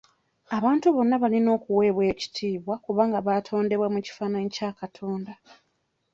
Abantu bonna balina okuweebwa ekitiibwa kubanga baatondebwa mu kifaananyi kya Katonda.